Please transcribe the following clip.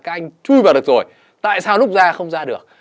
các anh chui vào được rồi tại sao lúc ra không ra được